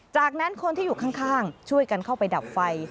จากนั้นคนที่อยู่ข้างช่วยกันเข้าไปดับไฟ